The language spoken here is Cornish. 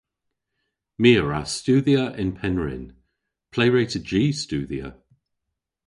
My a wra studhya yn Pennrynn. Ple hwre'ta jy studhya?